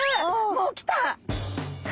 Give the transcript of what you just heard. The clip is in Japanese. もうきた！